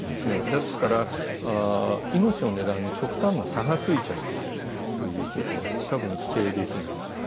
ですから、命の値段に極端な差がついちゃっているということは多分、否定できない。